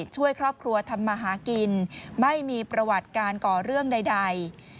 ช่วยครอบครัวทำมาหากินไม่มีประวัติการก่อเรื่องใด